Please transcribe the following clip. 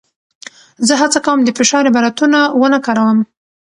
زه هڅه کوم د فشار عبارتونه ونه کاروم.